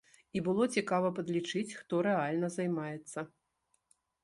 І было цікава падлічыць, хто рэальна займаецца.